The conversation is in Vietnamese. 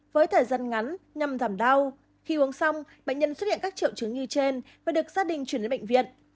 với thời gian ngắn nhằm giảm đau khi uống xong bệnh nhân xuất hiện các triệu chứng như trên và được gia đình chuyển lên bệnh viện